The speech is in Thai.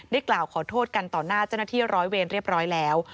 กล่าวขอโทษกันต่อหน้าเจ้าหน้าที่ร้อยเวรเรียบร้อยแล้ว